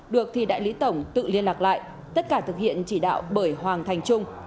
được thì đại lý tổng tự liên lạc lại tất cả thực hiện chỉ đạo bởi hoàng thành trung